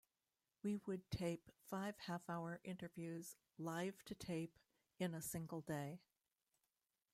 We would tape five half hour interviews live-to-tape in a single day.